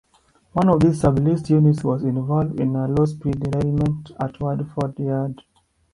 One of these sub-leased units was involved in a low-speed derailment at Watford Yard.